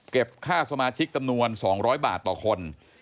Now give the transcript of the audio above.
ค่าสมาชิกจำนวน๒๐๐บาทต่อคน